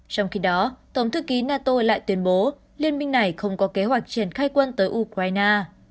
trong khi đó tổng thư ký nato lại tuyên bố liên minh này không có kế hoạch triển khai quân tới ukraine